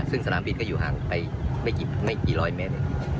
ซึ่งสนามบินก็อยู่ห่างไปไม่กี่ร้อยเมตร